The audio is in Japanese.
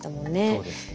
そうですね。